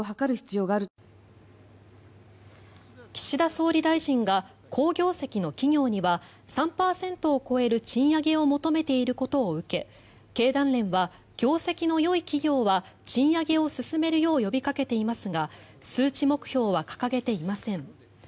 岸田総理大臣が好業績の企業には３％を超える賃上げを求めていることを受け経団連は業績のよい企業は賃上げを進めるよう呼びかけていますが数値目標は掲げていません。